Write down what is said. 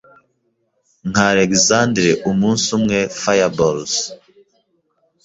Nka Alexandre umunsi umwe fireballs